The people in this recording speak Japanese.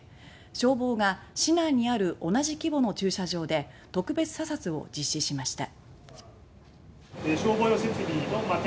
消防が市内にある同じ規模の駐車場で特別査察を実施しました。